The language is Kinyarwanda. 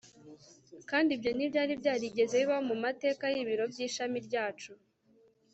kandi ibyo ntibyari byarigeze bibaho mu mateka y ibiro by ishami ryacu